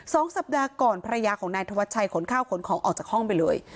สองสัปดาห์ก่อนภรรยาของนายธวัชชัยขนข้าวขนของออกจากห้องไปเลย